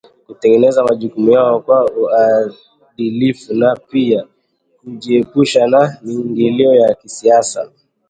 kutekeleza majukumu yao kwa uadilifu na pia kujiepusha na miingilio ya kisiasa